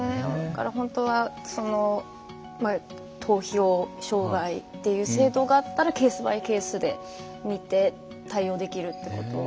本当は投票障害っていう制度があったらケースバイケースで見て対応できるってことですよね。